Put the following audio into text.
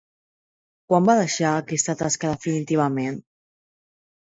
Quan va deixar aquesta tasca definitivament?